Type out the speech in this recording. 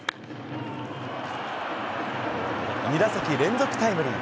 ２打席連続タイムリー！